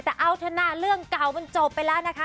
แต่เอาเถอะนะเรื่องเก่ามันจบไปแล้วนะคะ